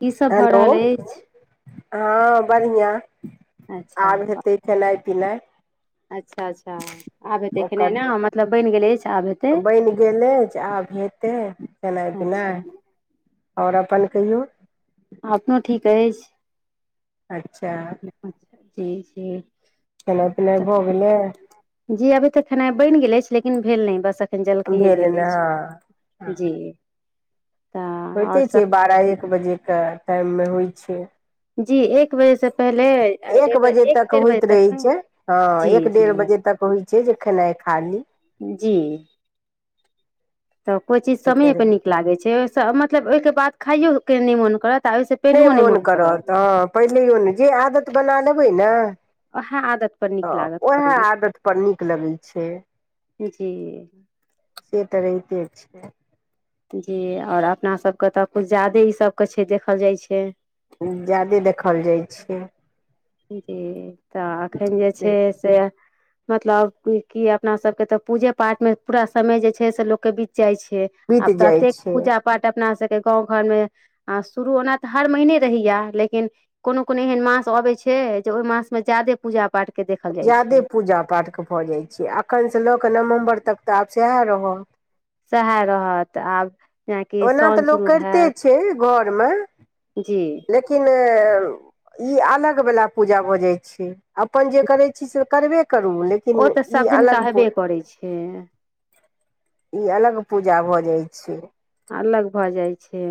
की सब भऽ हेलो रहल अछि हँ बढ़ियाँ आब अच्छा हेतै खेनाइ पिनाइ। अच्छा अच्छा आब हेतै खेनाइ ओकर न मतलब बनि गेल अछि आब हेत। बनि गेल अछि आब हेतै खेनाइ अच्छा पिनाइ। आओर अपन कहियौ। अपनो ठीक अछि। अच्छा एखन ठीक छै [unintelligible] खनाइ पिनाइ भऽ गेलै। जी अभी तऽ खेनाइ बनि गेल अछि लेकिन भेल नहि बस अख जलखेये भेल भेले ने छै हँ जी हँ, तऽ आओर होइते छै सब बारह एक बजेके टाइममे होइ छै जी एक बजेसँ पहिले एक डेढ़ बजे तक डेढ़ बजे होइत रहय ने छै ह जी एक डेढ़ जी बजे तक होइ छै जे खेनाइ खाली जी तऽ कोइ चीज से समय पर तरह नीक लागै छै ओसँ मतलब ओहिके बाद खाइयो के नहि मोन करत आ ओहिस नहि मोन करत ह पहिले ने जे आदत बना लेबै ने उएह आदत पर ह नीक लागत उएह करैमे आदतपर नीक लगै छै जी से तऽ रहिते छै जी आओर अपनासभके तऽ किछु ज्यादे ईसभके छै देखल जाय छै ज्यादे देखल जाय छै जी तऽ अखन जे छै से मतलब कि अपना सबके तऽ पूजे पाठ मे पूरा समय जे छै से लोक के बीत जाइ छै बीत आब तऽ जाइ ततेक छै पूजा पाठ अपना सबके गाँव घरमे आ शुरू ओना तऽ हर महीने रहय ये लेकिन कोनो कोनो एहन मास अबै छै छै जे ओहि मासमे ज्यादे पूजा पाठ जादे पूजा पाठके भऽ जाइ छैै अखनसँ लऽ कऽ नवम्बर तक तऽ आब सएह रहत सएहे ऽ रहत आब जेनाकि ओना साउन तऽ लोक शुरू करिते हैत छै घरमे जी लेकिन एं ई अलग बला पूजा भऽ जाय छै अपन जे करय छी से करबे करू लेकिन ओ तऽ ई सभ दिन का अलग हेबे करै छै इ अलग पूजा भऽ जाइ छै अलग भऽ जाय छै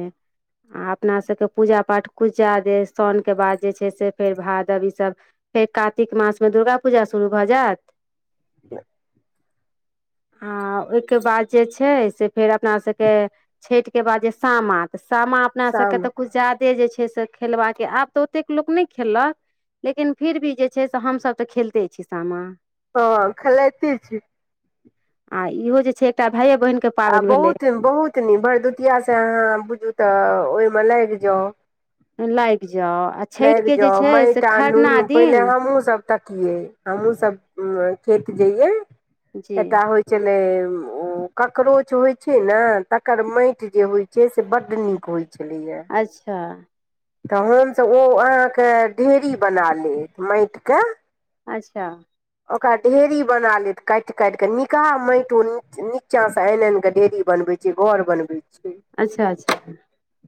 आ अपना सभके पूजा पाठ कुछ ज्यादे साउन के बाद जे छै से फेर भादव ईसभ फेर कातिक मासमे दुर्गा पूजा शुरू भऽ जैत [unintelligible] आ ओहिके बाद जे छै से फेर अपना सभके छैठ के बाद जे सामा तऽ सामा अपना सबके शाम तऽ कुछ जाद से छै से खेलबाके आब तऽ ओतेक लोक नहि खेललक लेकिन फिर भी जे छै से हमसभ तऽ खेलते छी सामा ह खेलाइते छी आ इहो जे छै एकटा भायै बहिनक के आ बहुत बहुत नीक भरदुतिया से अहाँ बुझू तऽ ओहिमे लाइग जाउ लागि जाउ लागि छठिके जे जाउ छै से माइट आनू खरना पहिले दिन हमहुँ सब तकिये हमहुँ सब खेत जइये जी एटा हो चलो ककरोच होइ छै न तकर मइट जे होइ जे से बड नीक होइ छलैया अच्छा तऽ हमसब त ओ अहाँके ढेरी बना लेत माइट के अच्छा ओकरा ढेरी बना लेत काइट काइट के निकहा माइट ओ नीचां से आनि आनि के ढेरी बनबै छै जे घर बनबै छै अच्छा अच्छा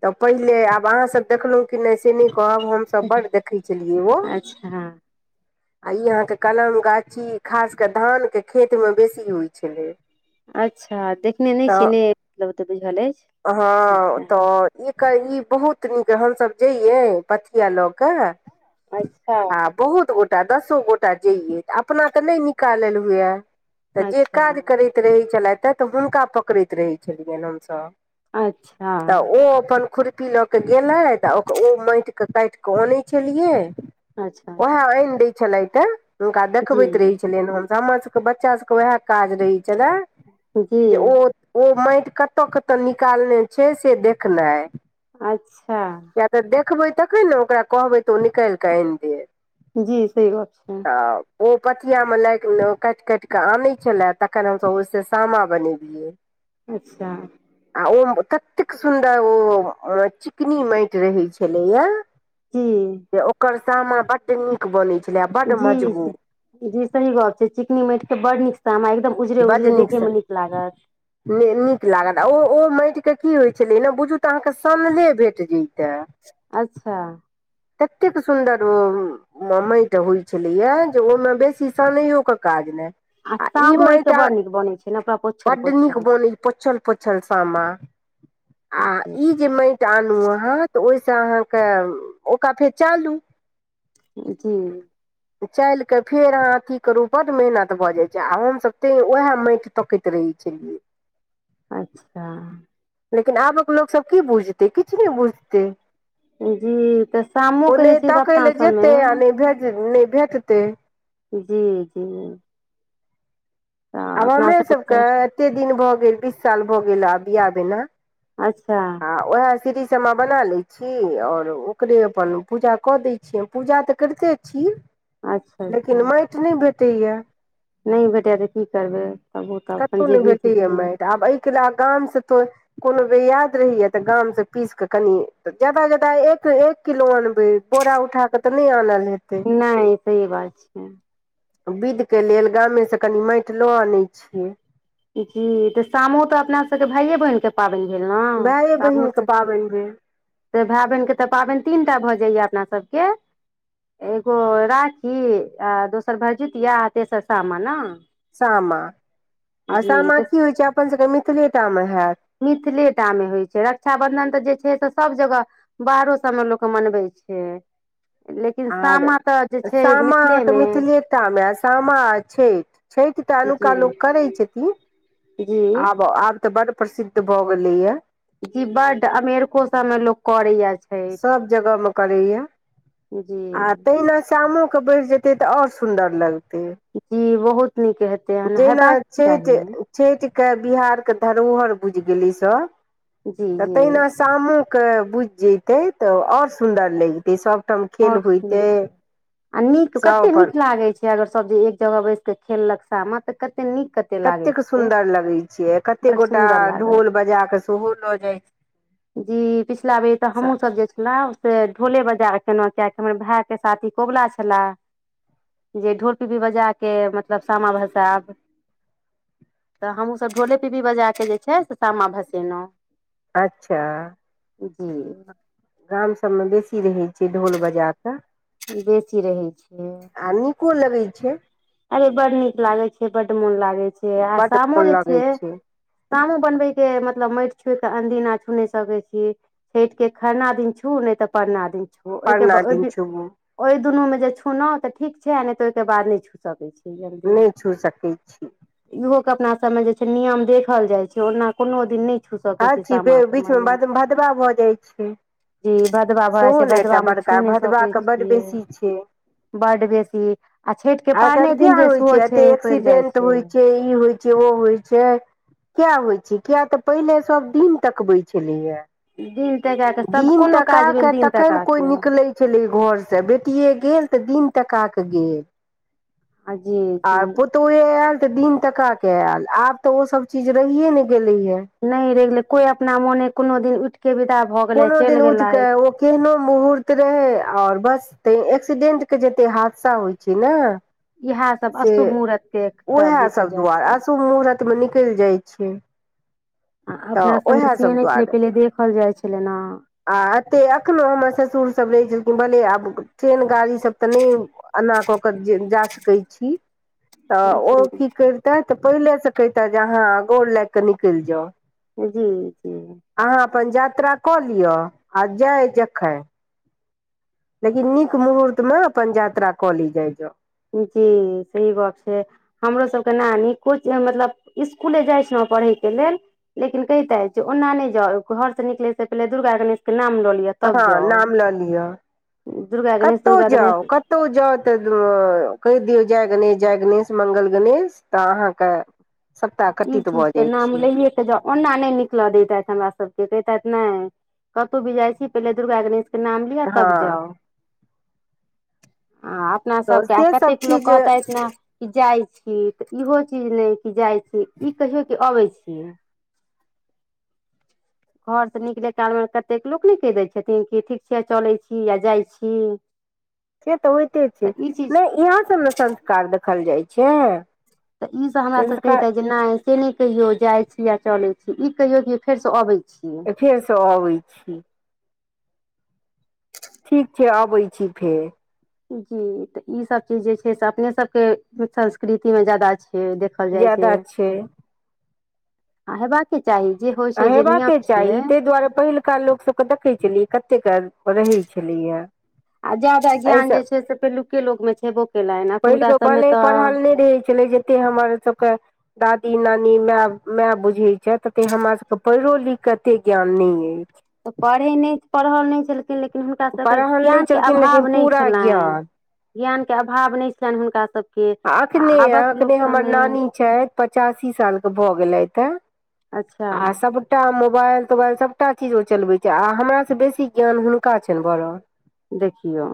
तऽ पहिले आब अहाँ सब देखलौं कि नहि से नहि कहब हमसब बड्ड देखै छेलियै ओ। अच्छा आ ई अहाँके कलम गाछी खास कऽ धान के खेत मे बेसी होइ छेलै। अच्छा देखने नहि छी नै मतलब ओते बुझल अछि। हँ तऽ ई कर ई बहुत नीक हमसभ जइयै पथिया लऽ कऽ अच्छा आ बहुत गोटा दसो गोटा जइयै अपना तऽ नै निकालल हुए तऽ जे अच्छा काज करैत रहै छलै तऽ हुनका पकड़ैत रहैत छेलियनि हमसभ [inaudible] अच्छा तऽ ओ अपन खुरपी लऽ गेलै त ओ माटि कऽ काइट क अनै छलियै अच्छा अच्छा ओएह आँइन [inaudible] छले [unintelligible] ते हुनका जी देखबैत रहे छेलियैन हम हमर सबके बच्चा सबके उएह काज रहे छले जी जे ओ ओ माइट कत कत निकालने छै से देखनाइ अच्छा किया तऽ देखबैय तखने ओकरा कहबै तऽ ओ निकालि कऽ आनि देत जी सही गप्प छै तऽ ओ पथिआमे काटि काटि कऽ आनै छलै तखन हम सभ ओहिसँ सामा बनेलियै अच्छा आ ओ कततेक सुन्दर ओ चिकनी माटि रहै छलैया हू जे ओकर सामा बड्ड नीक बनै छलै आ बड्ड जी मजबूत जी सही गप छै चिकनी मैंट के बड़ नीक सामा एकदम उजरे बड्ड उजरे नीक सँ देखयमे लागत नीक लागत आ ओ ओ माटिक के की होइ छलै ने बुझू तऽ अहाँके समाने भेट जैइता अच्छा केतेक सुन्दर ओ माटि होइ छलैय जे ओहि मे बेसी सानयो के काज नय आ सामो [unintelligible] बनैत छै ने ओकरा पोछल बड्ड नीक पोछल बोनी पोछल पोछल सामा आ ई माटि आनू अहाँ तऽ ओहिसँ अहाँके ओकरा फेर चालू जी चालि कऽ फेर अहाँ अथी करू बड्ड मेहनत भऽ जाइ छै आ हम सभ ते उएह माटि तकैत रहै छलियै अच्छा लेकिन आबक लोक सभ की बुझतै किछ नैय बुझतै जी तऽ ओ शामोके जे नय छै से तकय अपना लऽ जेतै आ सबमे नय भेज नहि भेटतै जी जी तऽ आब अपना हमरे सभ सबके के एते दिन भऽ गेल बीस साल भऽ गेल आब बियाह भेला अच्छा आ ओहे सीढ़ीशमा बना लय छी और ओकरे अपन पूजा कदय पूजा तऽ करिते छी अच्छा लेकिन मैयट नय भेटय या नय भेटय या तऽ की करबै तब ओ तऽ अपन कताे नय जेबी की भेटैया छै मैट आब एय के ले गाम सँ ते कोनो बेर याद रहय तऽ गामसँ पीस कऽ कनि जायदा जायदा एक ए एक किलो अनबै बोरा उठााक तऽ नय आनल हेते नय सही बात छैै विध के लेल गामे से कनी मैट लो आनय छियै जी त शामो तऽ अपना सब के भाईये बहिन के पाबैन भेल न भाये बहिनके पाबनि भेल भाय बहिन के तऽ पाबैन तीन टा भऽ जाइ या अपना सभ के एगो राखी आ दोसर भरजूतिया आ तेसर सामा ना सामा आ सामा तऽ की होय छै अपन सभ के मिथिले टा मे हैत। मिथिले टा मे होइ छै रक्षाबन्धन तऽ जे छै से सभ जगह। बाहरो सब मे लोक मनबै छै लेकिन आर सामा त सामा अहाँ के मिथिले टा मे या सामा आ छै छैठ तऽ अनुका जी लोक करै छथिन जी आब आब तऽ बड प्रसिद्ध भऽ गेलय या जी बड अमेरिको सब मे लोक करय एछ सभ जगह मे करै या आ जी तेहि मे शामो के बैठ जेतै तऽ आओर सुन्दर लगतै जी बहुत नीक हेते जेहिना छै जे छैठ के बिहार के धरोहर बुझि गेलै ई सब जी तऽ जी तहिना सामोक बुझ जेतै तऽ आओर सुन्दर लेगतै सभठाम खेल ओर होइतै सुन्दर नीक सभ कते अपन नीक लागे छै अगर जे एक जगह बैस के खेलक सामा तऽ कते नीक लागै कतेक छै सुन्दर लगै छियै कतेक बड़ गोटा सुन्दर लागत ढोल बजा कऽ सेहो लऽ जाइ छै जी पिछिला बेर तऽ हमहूँ सब गेल छलहुँ से ढोले बाजा कऽ केना कियाक हमर भाय के साथी कोबला छैला जे पिपही बजा के मतलब सामा भसाब तऽ हमहूँसभ ढोले पीपही बजाके जे छै से सामा भसेलहुँ अच्छा जी गाम सभमे बेसी रहै छै ढोल बजा कऽ बेसी रहै छियै आ नीको लगै छै। अरे बड नीक लागे छै बड मोन लागे छै आ बड्ड शामो मोन जे लगै छै। शामो बनबै के मतलब मइट छोइ के अदीना छुने सकै छी छैठ के खरना दिन छु नहि तऽ परना दिन छु ओहिके परना बाद दिन छुबू ओहि ओइ दुनू मे जे छूलो त ठीक छै नइ तऽ ओहि के बाद नहि छू सकै छी जल्दी नहि छू सकै छी। इहो के अपना सब जे छै नियम देखल जाय छै ओना कोनो दिन नहि छू सकैत हर छी चीज बे सामा के बीच माइन मे भदवा भऽ जाइ छै जी भदवा भऽ जाइ सेहो छै ने एकटा भदवामे बड़का छू नहि सकै भदवाके बड्ड छियै बेसी छै बड बेसी आ छैठ के आय काइल पारने किया दिन जे होय सेहो छै एते पड़ि जाइ एक्सीडेंट होय छै इ होय छै सेहो होइ छै किया होइ छै किया तऽ पहिले सब दिन तकबै छलैया दिन तका के सब दिन कोनो तका काज भेल कऽ दिन तखैन तका कोइ के निकलै छलै घर स बेटिये गेल तऽ दिन तका कऽ गेल आ जी आ जी पु [unintelligible] तोय आएल तऽ दिन तका के एल आब तऽ ओ सब चीज रहियै ने गेलेयै या नहि रहि गेले कोई अपना मोने कोनो दिन उठिक के बिदा कोनो दिन उठि के ओ केहनो मुहूर्त रहै आओर बस तऽ एक्सीडेंट के जतेक हादसा होइ छै ने इएह सब से अशुभ मुहूर्त के एकटा उएह सब वजह दुआर से अशुभ मुहूर्तमे निकैल जाइ छै आ तऽ अपना सभमे उएह से सब नय छलै दुआरे पहिले देखल जाइ छेलै नऽ आ अते एखनो हमर ससुरसभ रहै छलखिन भले आब ट्रेन गाड़ीसभ तऽ नहि एना कऽ कऽ जे जा सकैत छी तऽ ओ जी की केर तें तऽ पहिले से कहितै जे अहाँ गोर लैग क निकलि जाउ जी जी अहाँ अपन यात्रा कऽ लिअ आ जाय जखन लेकिन नीक मुहूर्त मे अपन यात्रा कऽ लैय जाय जाउ जी सही गप छै हमरोसभके नानी कुछ मतलब इसकुले जाइ छलहुँ पढ़यके लेल लेकिन कहितैत जे ओना नहि जाउ घरसँ निकले से पहिले दुर्गा गणेश के नाम लऽ लियऽ हाँ नाम लऽ लिअ दुर्गा गणेश कतहु दुर्गा गणेश जाउ कत कतो जाउ तऽ कहि दियौ जय गणेश जय गणेश मंगल गणेश तऽ अहाँके सपटा ई कटित भऽ चीजके जाइ नाम छै लैये ओना नहि निकल देतैथ हमरा सबके कहितैथ नै कतहु भी जाय छी पहिले दुर्गा गणेश के नाम लि तब हँ जाउ हाँ आब अपना तऽ सब के आ से सब कतेक लोग चीज से कहत ने कि जाय छी त इहो चीज ने कि जाय छी इ कहियो की अबै छियै। घर से निकले काल मे कतेक लोक ने कहि दय छथिन कि ठीक छैय चलै छी या जाय छी। [inaudible] से तऽ होइते तऽ छैय ई चीज नहि इएहा सब ने संस्कार देखल जाइ छैय। तऽ इसभ हमरा स कहतैथ जे नहि से नहि कहियो जाय छी या चले छी इ कहियो की फेर से आबै छी फेर स अबै छी। ठीक छैय अबै छी फेर। जी तऽ ई सब चीज जे छैय से अपने सबके संस्कृतिमे जादा छैय देख ज्यादा छैय। आ हेबाके चाही जे होइ आ छै जे हेबाक नियम चाही छियै ताहि दुआरे पहिल का लोक सबके देखै छलियै कते काल रहै छलैया आ जादा ज्ञान जे छैय से पहिलुके लोग में छेबो केलाइन अखुनका सबमे तऽ [unintelligible] जते हमर सबके दादी नानी माय माय बुझे छैय तते हमरा सब त पढ़ो लिख के एते ज्ञान नहि अछि तऽ पढ़ै नहि पढ़ल नहि छल लेकिन हुनका सभके पढ़ल नहि ज्ञानके छलखिन अभाव लेकिन नहि पूरा छलनि। ज्ञान ज्ञान के अभाव नहि छलनि हुनका सभके आ एखने एखने हमर नानी छथि पचासी सालके भऽ गेलथि हेँ अच्छा सभटा मोबाइल तोबाइल सभटा चीज ओ चलबैत छैय आ हमरा सँ बेसी ज्ञान हुनका छनि भरल देखियौ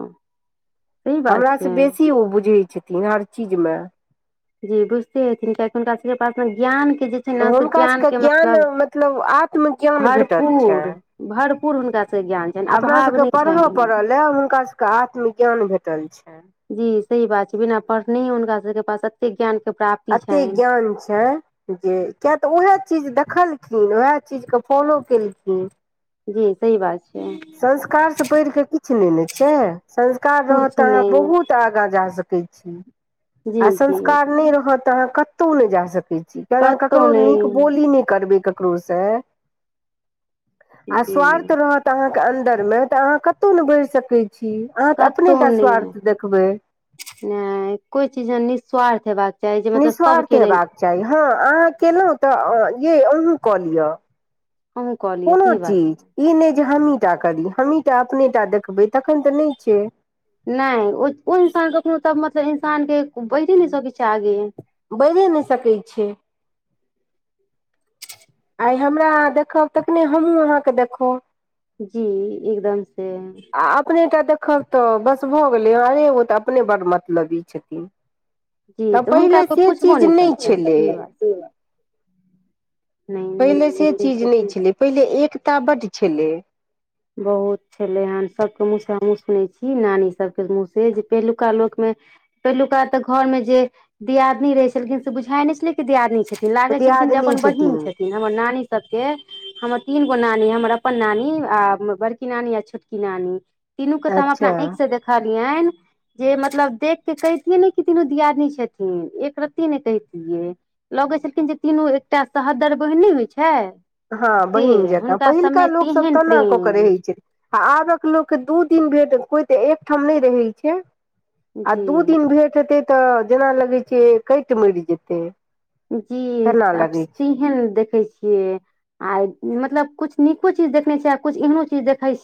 सही बात हमरा से छै बेसी ओ बुझै छथिन हर चीज मे जी बुझते हेथिन कुनका सब पासना ज्ञान के जे छै ने से हुनका ज्ञान सभके के ज्ञान मतलब मतलब आत्मज्ञान भेटल भरपूर छनि भरपूर हुनका से ज्ञान छैय अपना सभके पढ़य पड़लए हुनका सभके आत्मज्ञान भेटल छनि जी सही बात छैय बिना पढ़ने ह हनका सबके पास ज्ञान के प्राप्त अते ज्ञान छैय जे किया तऽ उएह चीज देखलखिन ओएह चीज के फॉलो केलखिन जी सही बात छै संस्कारसँ बैढ़ कऽ किछु नहि ने छैय संस्कार रहत कुछ तऽ अहाँ नहि बहुत आगाँ जा सकै छी लय जी आ जी संस्कार नहि रहत तऽ अहाँ कतौं जा सकै छीय किय अहाँ ककरो नीक बोली नहि करबे ककरो स आ जी स्वार्थ रहत तऽ अहाँके अन्दरमे तऽ अहाँ कतहु नहि बढ़ सकै छीय अहाँ तऽ कतहु अपनेटा नहि स्वार्थ देखबै नहि कोइ चीज निःस्वार्थ हेबाक चाही जे मतलब निःस्वार्थ सभके लेल हेबाक चाही हँ अहाँ केलहुँ तऽ य अहूँ कऽ लिअ अहूँ कऽ लिअ कोनो सही बात चीज छै ई नहि जे हमहीं टा करी हमहीं टा अपने टा देखबै तखन तऽ नहि छैय नहि ओ इंसान कखनो त मतलब इंसान के बाजे नहि सकै छैय आगे बढ़ि नहि सकैत छैय आइ हमरा आहां देखब तखने हमहूँ अहाँके देखब जी एकदम से आ अपने टा देखब तऽ बस भऽ गेलै हरे ओ तऽ अपने बड़ मतलब इ छथिन जी तऽ हुनका पहिले कोइ से पुछबो चीज नहि करतनि छलै सही बात छै नहि नहि पहिले छै से सही चीज बात नहि छलै पहिले एकता बड छलै बहुत छलै हेन सभके मुँह से हमहूँ सुनै छी नानी सभके मुँह से जे पहिलुका लोकमे पहिलुका तऽ घर मे जे दियादनी रहे छलखिन से बुझााय नहि छलै दियादनी छथिन लागै छैन की अपन बहीन छथिन हमर नानी सबके हमर तीन गो नानी हमर अपन नानी आ बड़की नानी आ छोटकी नानी तीनूके तऽ हम अच्छा अपना आँखिसँ देखलियन जे मतलब देख के कहितियै ने जे तीनू दियादनी छथिन एक रत्ती ने कहितियै लगै छलखिन जे तीनू एकटा सहोदर बहिन नै होइछै हँ बहिन जेंका पहिलका लोक सब तेहन तना करे क प्रेम रहै छै आबक लोकके दू दिन भैर देखबै तऽ एकठम नहि रहै छै आ दू जी दिन भेट हेतै तऽ जेना लगै छै केट मेर जेतै जी तेना अब लगै छै सेहेन देखै छियै आब मतलब कुछ नीको चीज देखने छियै आ कुछ एहनो चीज देखैय छी